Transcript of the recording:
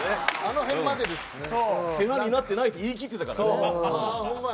世話になってないって言い切ってたから。